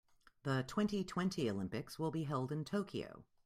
The twenty-twenty Olympics will be held in Tokyo.